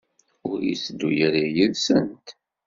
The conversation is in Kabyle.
Ur yetteddu ara yid-sent?